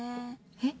えっ？